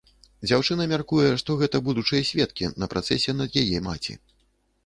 Дзяўчына мяркуе, што гэта будучыя сведкі на працэсе над яе маці.